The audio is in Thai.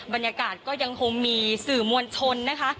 บรรยากาศก็ยังคงมีสื่อมวลชนนะคะ